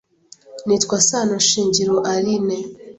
Nitwa Sano Shingiro Aline